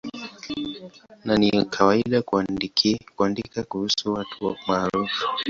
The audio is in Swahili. Na ni kawaida kuandika kuhusu watu maarufu.